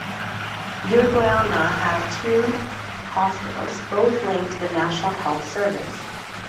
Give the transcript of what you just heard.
Uruguaiana had two hospitals, both linked to the national health service.